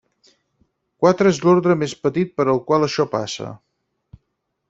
Quatre és l'ordre més petit per al qual això passa.